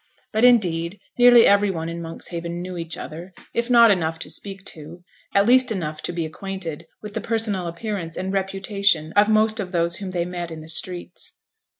But, indeed, nearly every one in Monkshaven knew each other; if not enough to speak to, at least enough to be acquainted with the personal appearance and reputation of most of those whom they met in the streets.